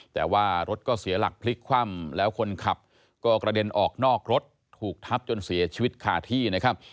แต่ว่ารถก็เสียหลักพลิกคว่ำแล้วคนขับก็กระเด็นออกนอกรถถูกทับจนเสียชีวิตคาที่นะครับ